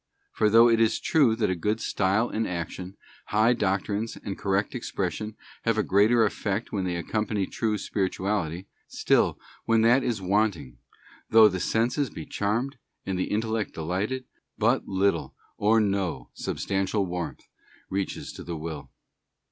For though it is true that a good style and action, high doctrines, and correct expression have a greater effect when they accompany true spirituality; still when that is wanting, though the senses be charmed, and the intellect delighted, but little or no sub stantial warmth reaches to the will.